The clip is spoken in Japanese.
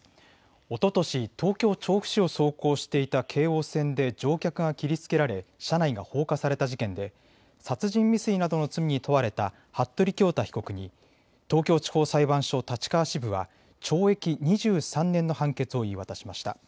おととし東京調布市を走行していた京王線で乗客が切りつけられ車内が放火された事件で殺人未遂などの罪に問われた服部恭太被告に東京地方裁判所立川支部は懲役２３年の判決を言い渡しました。